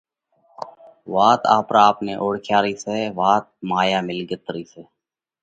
وات آپرا آپ نئہ اوۯکيا رئِي سئہ! وات مايا مِلڳت رئِي سئہ!